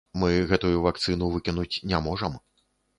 Мы гэтую вакцыну выкінуць не можам.